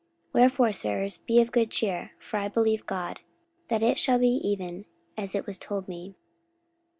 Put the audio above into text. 44:027:025 Wherefore, sirs, be of good cheer: for I believe God, that it shall be even as it was told me.